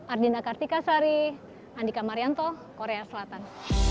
ardina kartika sari andika marianto korea selatan